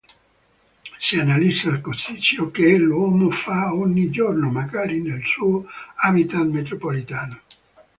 Si analizza così ciò che l'uomo fa ogni giorno, magari nel suo habitat metropolitano.